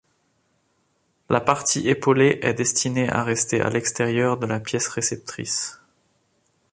La partie épaulée est destinée à rester à l’extérieur de la pièce réceptrice.